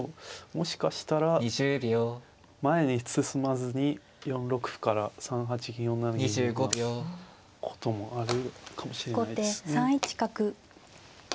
もしかしたら前に進まずに４六歩から３八銀４七銀のようなこともあるかもしれないですね。